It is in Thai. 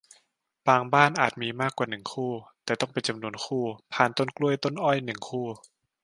บางบ้านอาจมีมากกว่า หนึ่ง คู่ แต่ต้องเป็นจำนวนคู่ พานต้นกล้วยต้นอ้อย หนึ่ง คู่